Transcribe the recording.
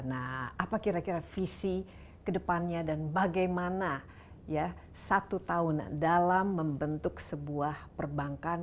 nah apa kira kira visi kedepannya dan bagaimana ya satu tahun dalam membentuk sebuah perbankan